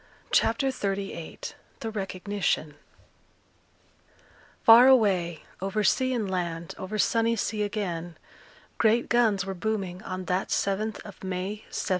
CHAPTER XXXVIII THE RECOGNITION Far away, over sea and land, over sunny sea again, great guns were booming on that 7th of May, 1799.